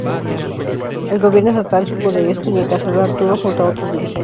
El gobierno estatal supo de esto, y, encarceló a Arturo junto a otros dirigentes.